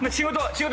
仕事！